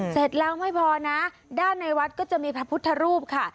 เสร็จแล้วไม่พอนะด้านในวัดก็จะมีพระพุทธรูปค่ะ